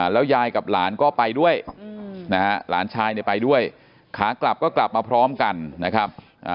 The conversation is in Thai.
แล้วยายกับหลานก็ไปด้วยนะฮะหลานชายเนี่ยไปด้วยขากลับก็กลับมาพร้อมกันนะครับ